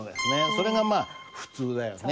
それがまあ普通だよね。